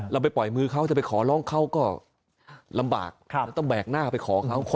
เราไปปล่อยมือเขาจะไปขอร้องเขาก็ลำบากเราต้องแบกหน้าไปขอเขา